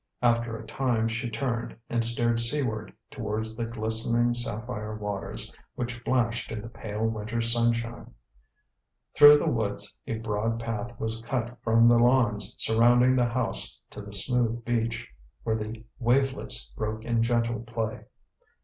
After a time she turned, and stared seaward towards the glistening sapphire waters, which flashed in the pale winter sunshine. Through the woods a broad path was cut from the lawns surrounding the house to the smooth beach, where the wavelets broke in gentle play.